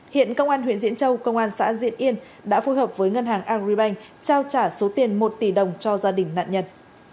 hiện công an huyện diễn châu công an xã diễn yên đã phối hợp với ngân hàng agribank trao trả số tiền một tỷ đồng cho gia đình nạn nhân